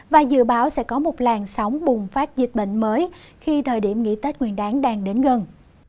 và dự báo sẽ có một làn sóng bùng phát dịch bệnh mới khi thời điểm nghỉ tết nguyên đáng đang đến gần